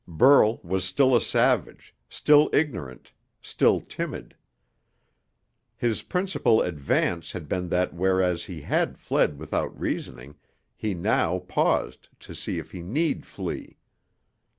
Burl was still a savage, still ignorant, still timid. His principal advance had been that whereas he had fled without reasoning, he now paused to see if he need flee.